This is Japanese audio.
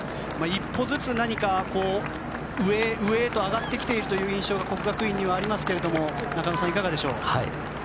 一歩ずつ、上へ上へと上がってきているという印象が國學院にはありますが中野さん、いかがでしょう。